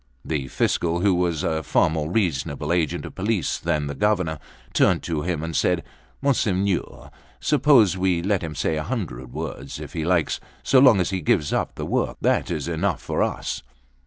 The Fiscal, who was a far more reasonable agent of police than the Governor, turned to him and said: "Monsignor, suppose we let him say a hundred words, if he likes: so long as he gives up the work, that is enough for us."